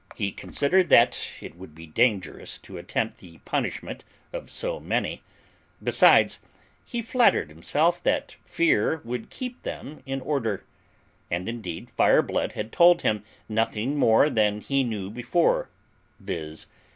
He considered that it would be dangerous to attempt the punishment of so many; besides, he flattered himself that fear would keep them in order: and indeed Fireblood had told him nothing more than he knew before, viz.